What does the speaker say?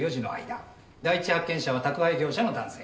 第一発見者は宅配業者の男性。